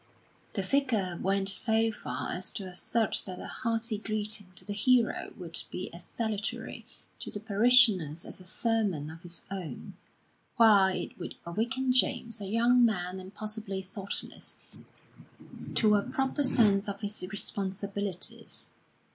The Vicar went so far as to assert that a hearty greeting to the hero would be as salutory to the parishioners as a sermon of his own, while it would awaken James, a young man and possibly thoughtless, to a proper sense of his responsibilities.